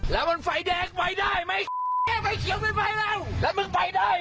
แล้วมันไฟแดงไฟได้ไหมแค่ไฟเขียวเป็นไฟแล้วแล้วมึงไปได้